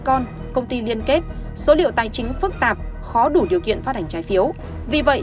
con công ty liên kết số liệu tài chính phức tạp khó đủ điều kiện phát hành trái phiếu vì vậy